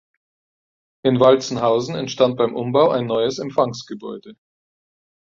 In Walzenhausen entstand beim Umbau ein neues Empfangsgebäude.